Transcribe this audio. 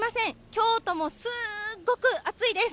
京都もすーごく暑いです。